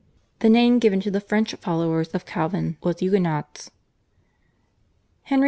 The name given to the French followers of Calvin was Huguenots. Henry II.